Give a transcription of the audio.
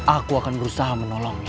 aku akan berusaha menolongnya